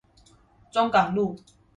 中港路